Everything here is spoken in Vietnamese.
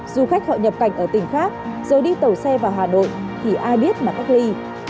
du khách họ nhập cảnh ở tỉnh khác rồi đi tàu xe vào hà nội thì ai biết mà cách ly